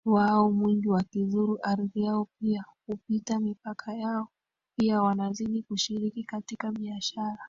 wao mwingi wakizuru ardhi yao pia hupita mipaka yao Pia wanazidi kushiriki katika biashara